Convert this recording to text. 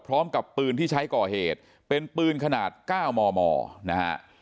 พร้อมกับปืนที่ใช้ก่อเหตุเป็นปืนขนาด๙มมนะฮะ